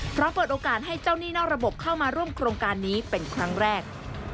เพราะเปิดโอกาสให้เจ้าหนี้นอกระบบเข้ามาร่วมโครงการนี้เป็นครั้งแรก